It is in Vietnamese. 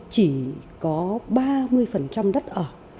chỉ có ba mươi đất ở